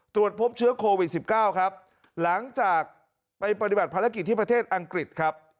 ตรวจพบเชื้อโควิด๑๙ครับหลังจากไปปฏิบัติภารกิจที่ประเทศอังกฤษครับ